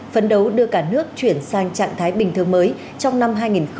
phấn đấu đưa cả nước chuyển sang trạng thái bình thường mới trong năm hai nghìn hai mươi